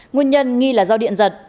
nguyên nhân nghi là do điện giật